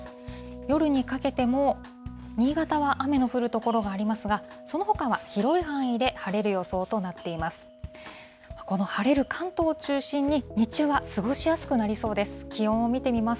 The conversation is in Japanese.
夜にかけても、新潟は雨の降る所がありますが、そのほかは広い範囲で晴れる予想となっています。